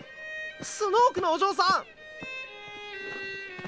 スノークのおじょうさん！